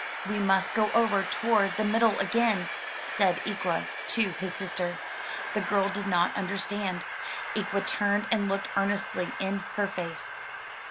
'We must go over toward the middle again,'' said Ikwa, to his sister. The girl did not understand. Ikwa turned, and looked earnestly in her face.